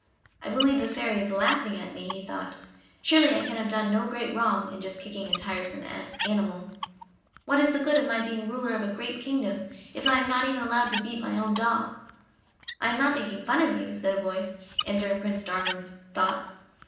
"I believe the Fairy is laughing at me," he thought. "Surely I can have done no great wrong in just kicking a tiresome animal! What is the good of my being ruler of a great kingdom if I am not even allowed to beat my own dog?" "I am not making fun of you," said a voice, answering Prince Darling's thoughts.